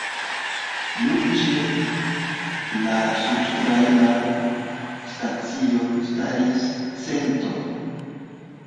Nur ĉe la subtrajnaj stacioj staris centoj.